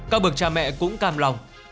các bực cha mẹ cũng cam lòng